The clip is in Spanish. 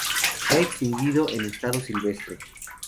Se ha extinguido en estado silvestre.